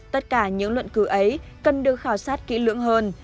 tất cả những luận cứu ấy cần được khảo sát kỹ lưỡng hơn